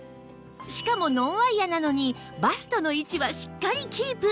しかもノンワイヤなのにバストの位置はしっかりキープ